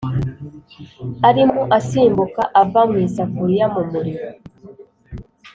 arimo asimbuka ava mu isafuriya mu muriro.